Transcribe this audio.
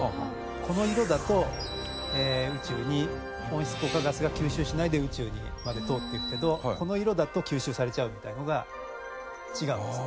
この色だと宇宙に温室効果ガスが吸収しないで宇宙まで通っていくけどこの色だと吸収されちゃうみたいのが違うんですよ。